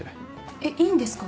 えっいいんですか？